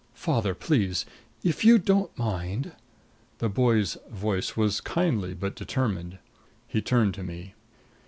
"Father please if you don't mind " The boy's voice was kindly but determined. He turned to me.